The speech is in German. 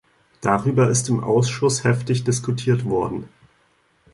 Darüber ist im Ausschuss heftig diskutiert worden.